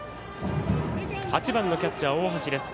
８番のキャッチャー、大橋です。